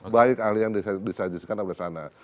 baik ahli yang disajikan oleh sana